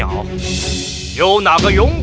ada yang berguna